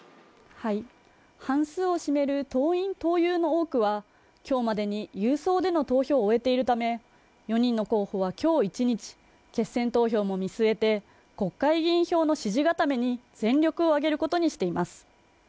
半数を占める党員・党友の多くは今日までに郵送での投票を終えているため４人の候補は今日１日決選投票も見据えて国会議員票の支持固めに全力を挙げることにしています